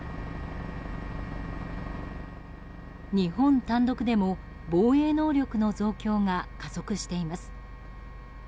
日本単独でも防衛能力の増強が加速しています。